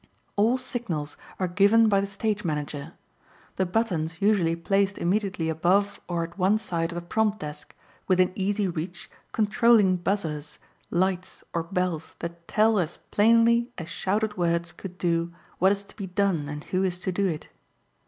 All signals are given by the stage manager, the buttons usually placed immediately above or at one side of the prompt desk, within easy reach controlling buzzers, lights or bells that tell as plainly as shouted words could do what is to be done and who is to do it.